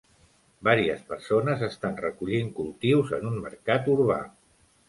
Varies persones estan recollint cultius en un mercat urbà.